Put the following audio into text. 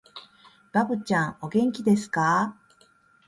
ばぶちゃん、お元気ですかー